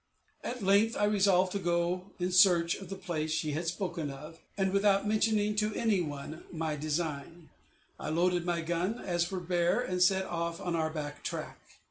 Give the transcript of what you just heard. At length I resolved to go in search of the place she had spoken of, and without mentioning to any one my design, I loaded my gun as for a bear, and set off on our back track.